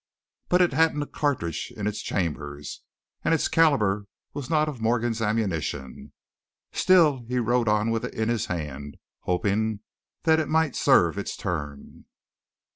But it hadn't a cartridge in its chambers, and its caliber was not of Morgan's ammunition. Still, he rode on with it in his hand, hoping that it might serve its turn.